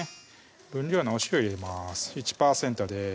分量のお塩入れます１％です